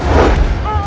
aku akan menang